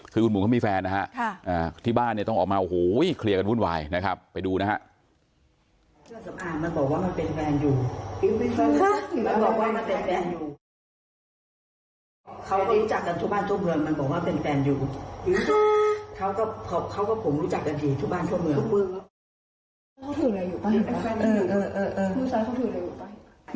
คือคุณหมูเขามีแฟนนะฮะที่บ้านเนี่ยต้องออกมาโอ้โหเคลียร์กันวุ่นวายนะครับไปดูนะฮะ